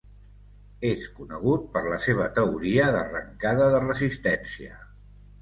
És conegut per la seva teoria d'arrencada de resistència.